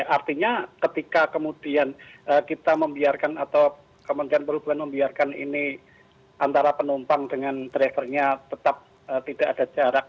artinya ketika kemudian kita membiarkan atau kementerian perhubungan membiarkan ini antara penumpang dengan drivernya tetap tidak ada jarak